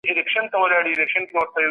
کیسې د ماشومانو لپاره اسانه دي.